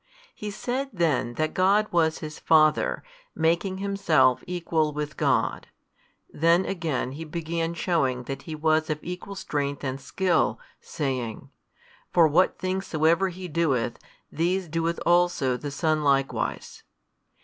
He said then that God was His Father, making Himself Equal with God; then again He began shewing that He was of Equal strength and skill, saying, For what things soever He doeth, these doeth also the Son likewise.